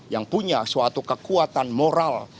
yang punya suatu kekuatan moral